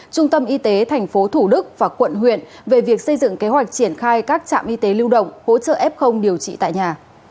trung tâm y tế tp thủ đức và quận huyện về việc xây dựng kế hoạch triển khai các trạm y tế lưu động hỗ trợ f điều trị tại nhà